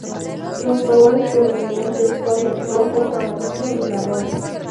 Los colores predominantes son el rojo, amarillo, y marrón.